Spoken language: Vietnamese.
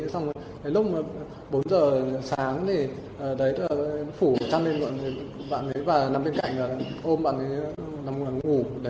xong lúc bốn h sáng thì phủ chăn lên bạn ấy và nằm bên cạnh ôm bạn ấy ngủ